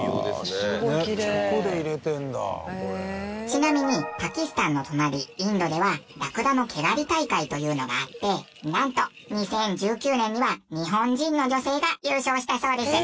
ちなみにパキスタンの隣インドではラクダの毛刈り大会というのがあってなんと２０１９年には日本人の女性が優勝したそうです！